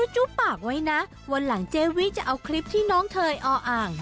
จุ๊บปากไว้นะวันหลังเจวิจะเอาคลิปที่น้องเทยออ่าง